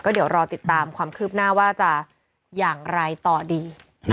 เดี๋ยวรอติดตามความคืบหน้าว่าจะอย่างไรต่อดี